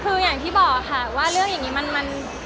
คืออย่างที่บอกค่ะว่าเรื่องอย่างนี้มัน